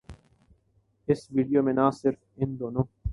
اس video میں نہ صرف ان دونوں